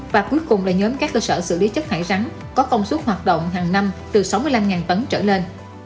và cuối cùng là nhóm các cơ sở xử lý chất thải rắn có công suất hoạt động hàng năm từ sáu mươi năm tấn trở lên